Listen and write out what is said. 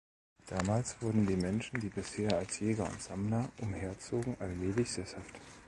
Damals wurden die Menschen, die bisher als Jäger und Sammler umherzogen, allmählich sesshaft.